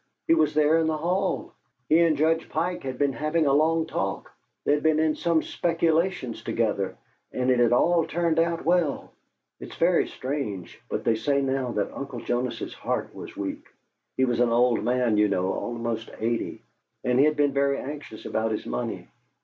He was there in the hall; he and Judge Pike had been having a long talk; they'd been in some speculations together, and it had all turned out well. It's very strange, but they say now that Uncle Jonas's heart was weak he was an old man, you know, almost eighty, and he'd been very anxious about his money.